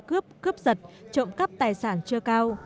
cướp cướp giật trộm cắp tài sản chưa cao